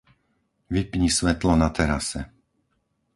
Vypni svetlo na terase.